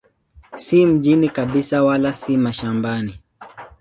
Si mjini kabisa wala si mashambani.